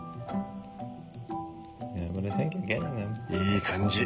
いい感じ。